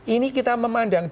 ini kita memandangkan